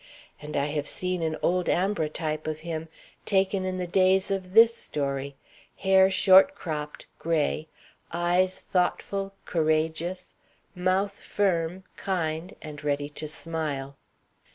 And I have seen an old ambrotype of him, taken in the days of this story: hair short cropped, gray; eyes thoughtful, courageous; mouth firm, kind, and ready to smile.